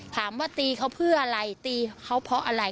ถามว่าตีเขาเพื่ออะไรตีเขาเพราะอะไร